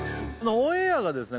オンエアがですね